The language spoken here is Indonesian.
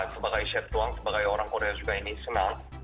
sebagai chef tuang sebagai orang korea juga ini senang